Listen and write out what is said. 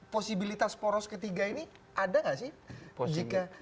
posibilitas poros ketiga ini ada nggak sih